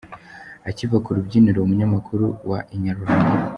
Akiva ku rubyiniro umunyamakuru wa Inyarwanda.